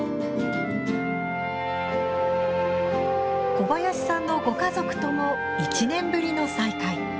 小林さんのご家族とも１年ぶりの再会。